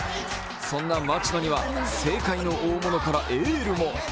そんな町野には政界の大物からエールも。